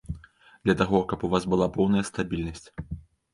Для таго, каб у вас была поўная стабільнасць.